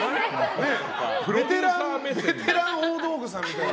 ベテラン大道具さんみたいな。